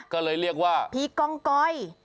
ก็เลยเรียกว่าพี่กองกอย